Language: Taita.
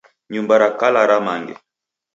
Nyumba ra kala ramange.